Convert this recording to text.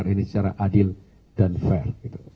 ini secara adil dan fair